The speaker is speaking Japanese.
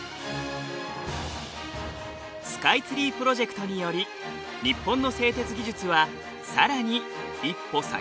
スカイツリープロジェクトにより日本の製鉄技術はさらに１歩先に進んだのです。